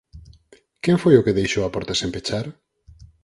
Quen foi o que deixou a porta sen pechar?